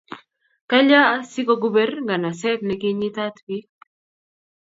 Kalya si koguber nganaseet ne ki nyiitaat piik?